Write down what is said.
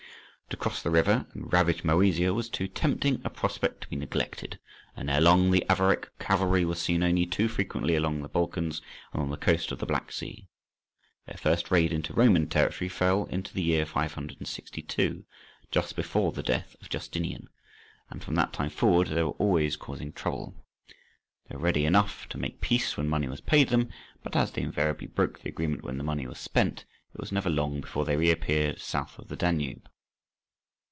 To cross the river and ravage Moesia was too tempting a prospect to be neglected, and ere long the Avaric cavalry were seen only too frequently along the Balkans and on the coast of the Black Sea. Their first raid into Roman territory fell into the year 562, just before the death of Justinian, and from that time forward they were always causing trouble. They were ready enough to make peace when money was paid them, but as they invariably broke the agreement when the money was spent, it was never long before they reappeared south of the Danube.